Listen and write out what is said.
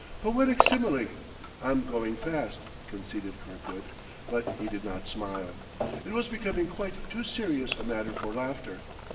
"Poetic simile: I'm going fast," conceded Kirkwood; but he did not smile. It was becoming quite too serious a matter for laughter.